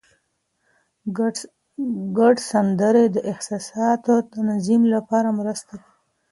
ګډ سندرې د احساساتي تنظیم لپاره مرسته کوي.